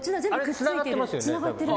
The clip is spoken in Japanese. つながってる。